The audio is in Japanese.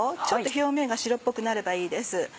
ちょっと表面が白っぽくなればいいです。